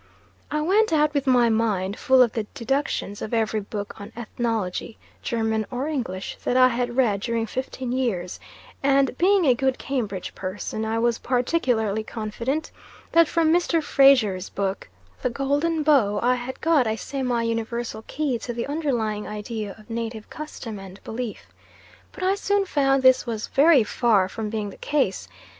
I went out with my mind full of the deductions of every book on Ethnology, German or English, that I had read during fifteen years and being a good Cambridge person, I was particularly confident that from Mr. Frazer's book, The Golden Bough, I had got a semi universal key to the underlying idea of native custom and belief. But I soon found this was very far from being the case.